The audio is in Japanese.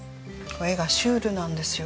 絵がシュールなんですよ。